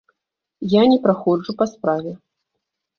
Я не праходжу па справе.